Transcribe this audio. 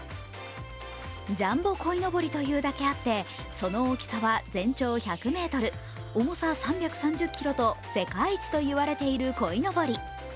ジャンボこいのぼりというだけあってその大きさは全長１００ｍ、重さ３３０ｋｇと世界一と言われているこいのぼり。